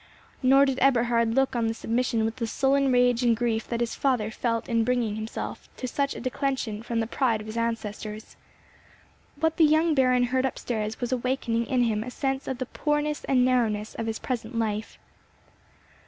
Nor did Eberhard look on the submission with the sullen rage and grief that his father felt in bringing himself to such a declension from the pride of his ancestors. What the young Baron heard up stairs was awakening in him a sense of the poorness and narrowness of his present life.